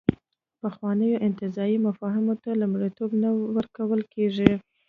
پخوانیو انتزاعي مفاهیمو ته لومړیتوب نه ورکول کېږي.